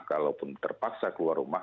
kalaupun terpaksa keluar rumah